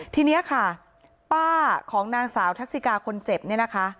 ทีนี้ค่ะป้าของนางสาวทักษิกาคนเจ็บเนี่ยนะคะ